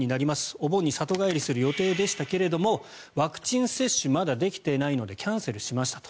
お盆に里帰りする予定でしたがワクチン接種がまだできていないのでキャンセルしましたと。